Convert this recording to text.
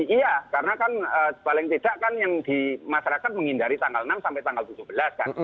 iya karena kan paling tidak kan yang di masyarakat menghindari tanggal enam sampai tanggal tujuh belas kan